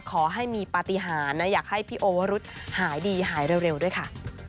ขอให้มีปฏิหารนะอยากให้พี่โอวรุธหายดีหายเร็วด้วยค่ะ